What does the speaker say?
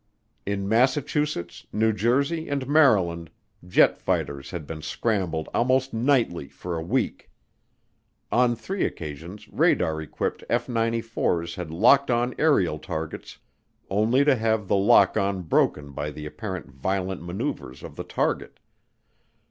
In Massachusetts, New Jersey, and Maryland jet fighters had been scrambled almost nightly for a week. On three occasions radar equipped F 94's had locked on aerial targets only to have the lock on broken by the apparent violent maneuvers of the target.